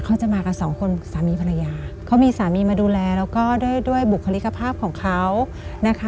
เขาจะมากับสองคนสามีภรรยาเขามีสามีมาดูแลแล้วก็ด้วยด้วยบุคลิกภาพของเขานะคะ